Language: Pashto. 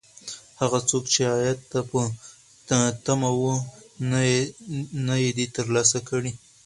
هغه څوک چې عاید ته په تمه و، نه یې دی ترلاسه کړی.